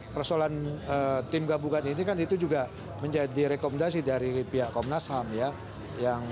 persoalan tim gabungan ini kan itu juga menjadi rekomendasi dari pihak komnas ham ya